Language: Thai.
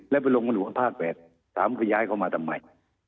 แล้วไปลงสกรุหาภาพพรรตถามไปย้ายเข้ามาทำไม